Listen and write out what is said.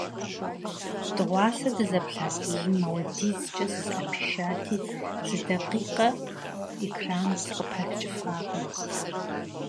Дыгъуасэ дызэплъа фильмым апхуэдизкӀэ сызэӏэпишати, зы дакъикъэ экраным сыкъыпэрыкӀыфакъым.